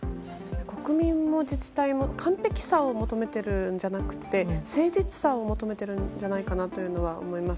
国民も自治体も完璧さを求めているんじゃなくて誠実さを求めてるんじゃないかなと思います。